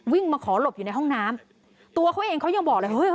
มาขอหลบอยู่ในห้องน้ำตัวเขาเองเขายังบอกเลยเฮ้ย